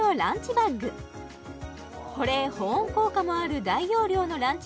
バッグ保冷・保温効果もある大容量のランチ